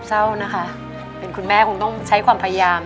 อเรนนี่